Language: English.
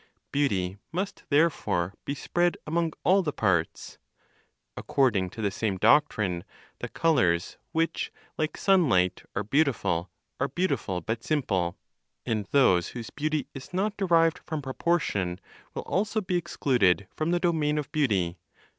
Beauty must therefore be spread among all the parts. According to the same doctrine, the colors which, like sunlight, are beautiful, are beautiful but simple, and those whose beauty is not derived from proportion, will also be excluded from the domain of beauty.